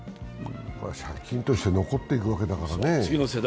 借金として残っていくわけだからね。